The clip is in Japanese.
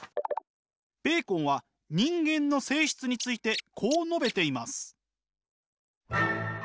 ベーコンは人間の性質についてこう述べています。